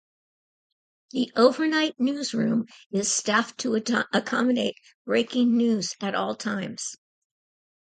The "Overnight News" room is staffed to accommodate breaking news at all times.